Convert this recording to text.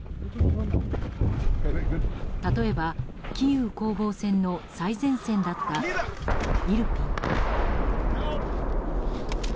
例えば、キーウ攻防戦の最前線だったイルピン。